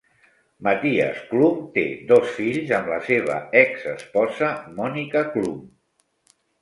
Mattias Klum té dos fills amb la seva expesposa Monika Klum.